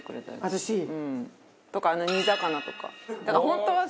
私？とか煮魚とか。